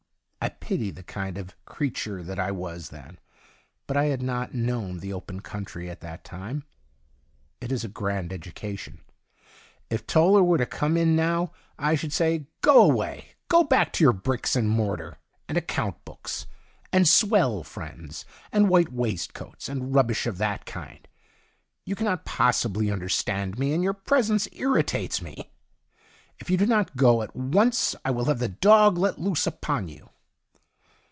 I pity the kind of creature that I was then, but I had not known the open country at that time. It is a grand education. If Toller were to come in now I should say, ' Go away. Go back to your bricks and mortar, and account books, and swell friends, and white waistcoats, and rubbish of that kind. You cannot possibly understand me, and your presence irritates me. If you do not go at once I will have the dog let loose upon you.'